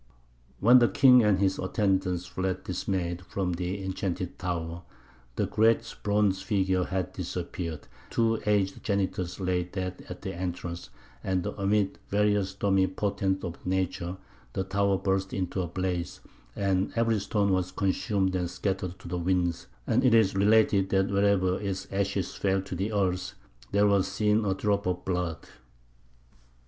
" When the king and his attendants fled dismayed from the enchanted tower, the great bronze figure had disappeared, the two aged janitors lay dead at the entrance, and amid various stormy portents of nature the tower burst into a blaze, and every stone was consumed and scattered to the winds; and it is related that wherever its ashes fell to the earth there was seen a drop of blood.